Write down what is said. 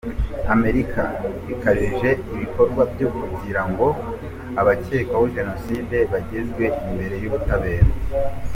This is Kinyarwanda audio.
Amerika ikajije ibikorwa byo kugira ngo abakekwaho Jenoside bagezwe imbere y’ubutabera.